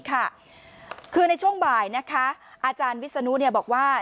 คือในช่วงบ่ายนะคะอาจารย์วิศนุบอกว่า